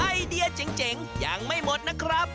ไอเดียเจ๋งยังไม่หมดนะครับ